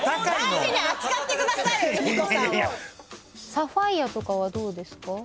サファイアとかはどうですか？